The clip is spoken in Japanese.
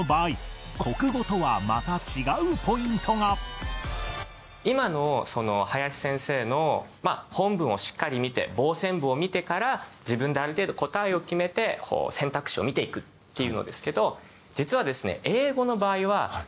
さらに今の林先生の本文をしっかり見て傍線部を見てから自分である程度答えを決めて選択肢を見ていくっていうのですけど実はですね。